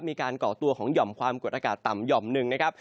ก่อตัวของหย่อมความกดอากาศต่ำหย่อมหนึ่งนะครับ